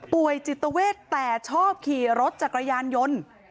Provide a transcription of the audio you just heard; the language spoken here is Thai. ป่วยจิตเวทแต่ชอบขี่รถจักรยานยนต์